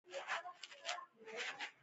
د بولان پټي د افغانستان د طبیعت برخه ده.